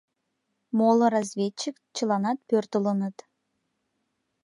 Моло разведчик чыланат пӧртылыныт.